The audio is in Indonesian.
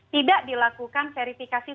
tidak dilakukan verifikasi